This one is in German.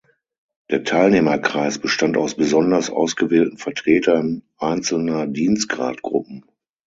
Der Teilnehmerkreis bestand aus besonders ausgewählten Vertretern einzelner Dienstgradgruppen.